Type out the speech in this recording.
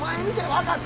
分かった。